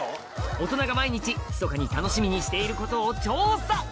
大人が毎日ひそかに楽しみにしていることを調査